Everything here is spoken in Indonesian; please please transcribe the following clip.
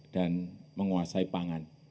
dan menguasai pangan